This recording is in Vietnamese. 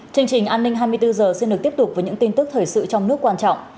chương trình an ninh hai mươi bốn h xin được tiếp tục với những tin tức thời sự trong nước quan trọng